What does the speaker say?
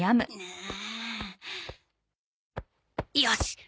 よし！